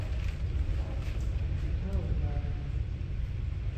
سوتاوە دارەکە.